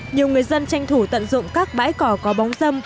nhiều người dân tranh thủ tận dụng các bãi cỏ có bóng dâm